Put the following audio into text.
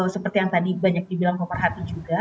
seperti yang tadi banyak dibilang pemerhati juga